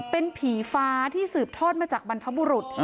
เป็นผีฟ้าที่สืบทอดมาจากบรรพบุรุษ